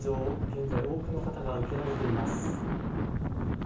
現在、多くの方が受けられています。